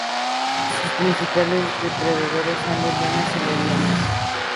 Sus principales depredadores son los leones y las hienas.